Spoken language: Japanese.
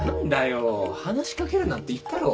話し掛けるなって言ったろ。